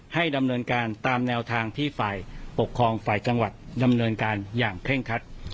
ให้ดำเนินการตามแนวทางที่ฝ่ายปกครองฝ่ายจังหวัดดำเนินการอย่างเคร่งคัด